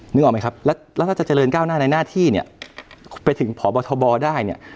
นึกออกไหมครับแล้วถ้าจะเจริญก้าวหน้าในหน้าที่เนี่ยไปถึงพบทบได้เนี่ย